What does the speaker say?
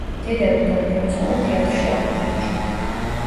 დედა რომ გარდაიცვალა თეატრში აღარ თამაშობდა.